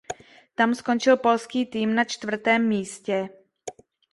Tam skončil polský tým na čtvrtém místě.